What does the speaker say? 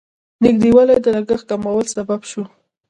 نږدېوالی د لګښت کمولو سبب شو.